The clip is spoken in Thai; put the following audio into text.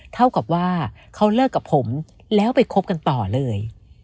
เท่ากับว่าเขาเลิกกับผมแล้วไปคบกันต่อเลย